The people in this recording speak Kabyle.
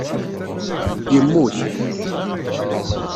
Yemmut.